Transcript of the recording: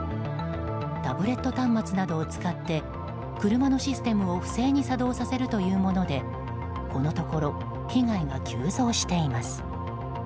タブレット端末などを使って車のシステムを不正に作動させるというものでこのところ被害が急増しています。